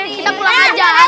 kita pulang aja